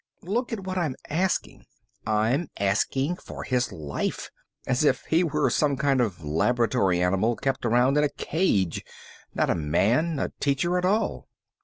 "Look at what I'm asking. I'm asking for his life, as if he were some kind of laboratory animal kept around in a cage, not a man, a teacher at all."